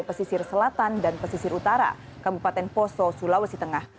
pesisir selatan dan pesisir utara kabupaten poso sulawesi tengah